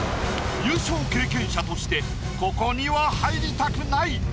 優勝経験者としてここには入りたくない。